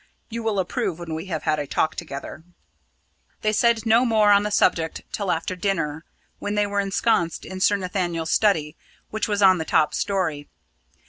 You will approve when we have had a talk together." They said no more on the subject till after dinner, when they were ensconced in Sir Nathaniel's study, which was on the top storey.